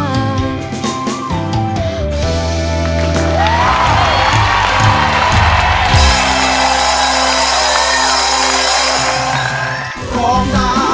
อย่างน้ำตาไม่ได้